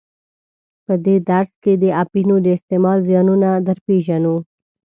په دې درس کې د اپینو د استعمال زیانونه در پیژنو.